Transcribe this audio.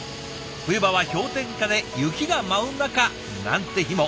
冬場は氷点下で雪が舞う中なんて日も。